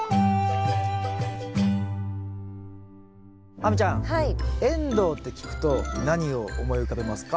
亜美ちゃんエンドウって聞くと何を思い浮かべますか？